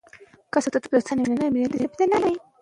که سطل وي نو کثافات نه خپریږي.